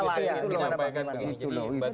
itu yang dikata